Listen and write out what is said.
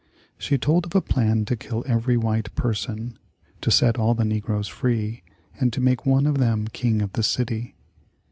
She told of a plan to kill every white person; to set all the negroes free, and to make one of them King of the city.